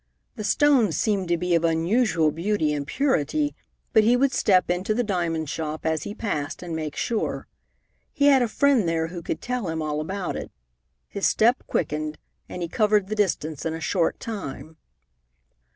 The stone seemed to be of unusual beauty and purity, but he would step into the diamond shop as he passed and make sure. He had a friend there who could tell him all about it. His step quickened, and he covered the distance in a short time.